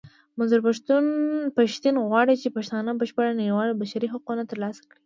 منظور پښتين غواړي چې پښتانه بشپړ نړېوال بشري حقونه ترلاسه کړي.